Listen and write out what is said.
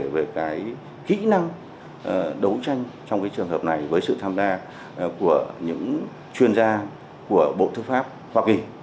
về cái kỹ năng đấu tranh trong trường hợp này với sự tham gia của những chuyên gia của bộ thư pháp hoa kỳ